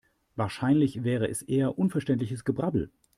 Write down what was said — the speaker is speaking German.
Wahrscheinlich wäre es eher unverständliches Gebrabbel.